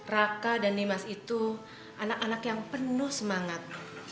raka dan nimas itu anak anak yang penuh semangat